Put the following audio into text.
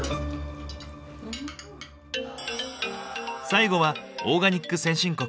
最後はオーガニック先進国